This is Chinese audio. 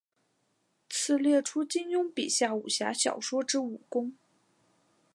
此列出金庸笔下武侠小说之武功。